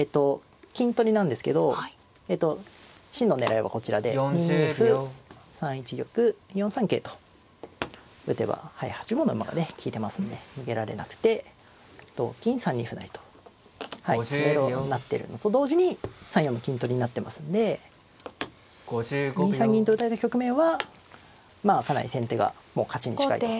金取りなんですけど真の狙いはこちらで２二歩３一玉４三桂と打てば８五の馬がね利いてますんで逃げられなくて同金３二歩成と詰めろになってるのと同時に３四の金取りになってますんで２三銀と打たれた局面はまあかなり先手がもう勝ちに近いと。